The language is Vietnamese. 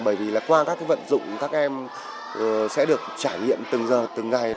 bởi vì là qua các vận dụng các em sẽ được trải nghiệm từng giờ từng ngày